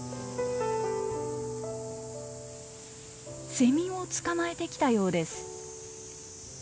セミを捕まえてきたようです。